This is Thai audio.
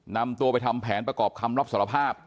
นำตัวไปทำแผนประกอบคำรับสารภาพ